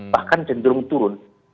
bahkan jendrung turun